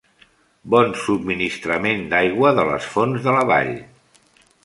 Bon subministrament d'aigua de les fonts de la vall.